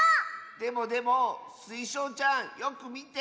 でもでもスイショウちゃんよくみて！